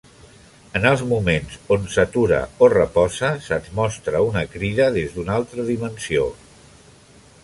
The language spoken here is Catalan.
En els moments on s'atura o reposa, se'ns mostra una crida des d'una altra dimensió.